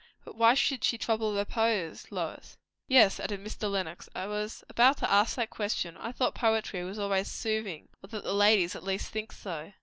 But why should she trouble repose. Lois?" "Yes," added Mr. Lenox; "I was about to ask that question. I thought poetry was always soothing. Or that the ladies at least think so."